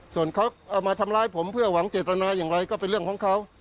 ส่วนเขาเอามาทำร้ายผมเพื่อหวังเจตนาอย่างไรก็เป็นเรื่องของเขา